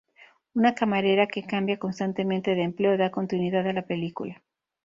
Una camarera que cambia constantemente de empleo da continuidad a la película.